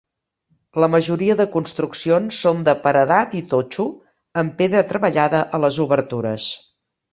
La majoria de construccions són de paredat i totxo amb pedra treballada a les obertures.